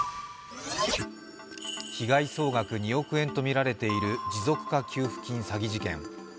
被害総額２億円とみられている持続化給付金詐欺事件。